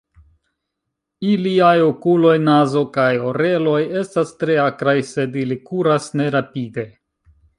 Iliaj okuloj, nazo kaj oreloj estas tre akraj, sed ili kuras ne rapide.